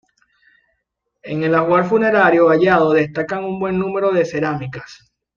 En el ajuar funerario hallado destacan un buen número de cerámicas.